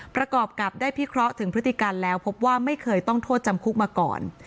ประกอบกับได้พิเคราะห์ถึงพฤติกรรมแล้วพบว่าไม่เคยต้องโทษจำคุกมาก่อน